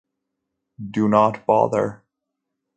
Do not bother!